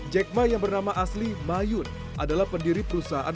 jack ma yang bernama asli mayun adalah pendiri perusahaan